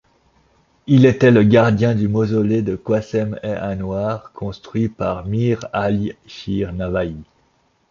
Il était le gardien du mausolée de Qāsem-e Anwār construit par Mir ʿAli-Shir Navāʾi.